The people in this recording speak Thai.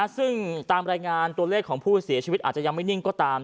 ซึ่งตามรายงานตัวเลขของผู้เสียชีวิตอาจจะยังไม่นิ่งก็ตาม